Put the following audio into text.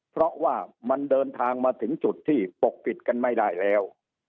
เพราะว่ามันเดินทางมาถึงจุดที่ปกปิดกันไม่ได้แล้ว